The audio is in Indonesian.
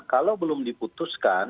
kalau belum diputuskan